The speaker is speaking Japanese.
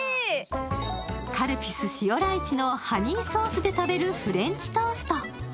カルピス塩ライチのハニーソースで食べるフレンチトースト。